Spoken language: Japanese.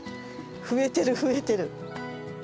増えてる増えてる。